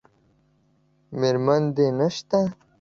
میرمن دې نشته؟